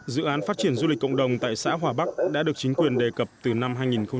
dự án phát triển du lịch cộng đồng tại xã hòa bắc đã được chính quyền đề cập từ năm hai nghìn một mươi